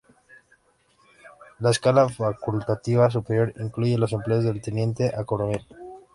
La escala facultativa superior incluye los empleos de Teniente a Coronel.